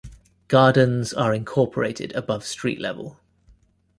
Gardens are incorporated above street level.